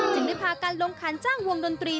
จึงได้พากันลงขันจ้างวงดนตรี